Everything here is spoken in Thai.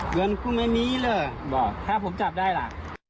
เงินกูไม่มีเลยบอกถ้าผมจับได้ล่ะ